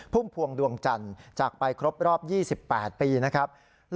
พุ่มพวงดวงจันทร์จากไปครบรอบ๒๘ปีนะครับ